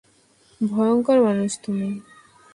ভয়ংকর মানুষ তুমি।